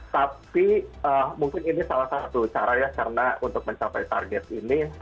tapi mungkin ini salah satu cara ya karena untuk mencapai target ini